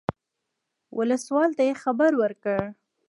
اوسلوال ته یې خبر ورکړ.